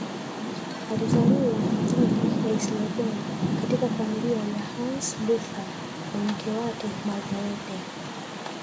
Alizaliwa mjini Eisleben katika familia ya Hans Luther na mke wake Margarethe